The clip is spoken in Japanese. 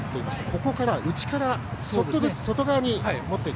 ここから内から、ちょっとずつ外側に持っていく。